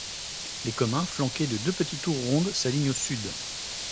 Les communs flanqués de deux petites tours rondes s'alignent au sud.